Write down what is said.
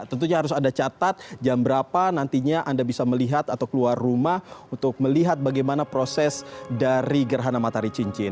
tentunya harus ada catat jam berapa nantinya anda bisa melihat atau keluar rumah untuk melihat bagaimana proses dari gerhana matahari cincin